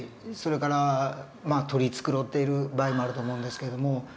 それから取り繕っている場合もあると思うんですけれども。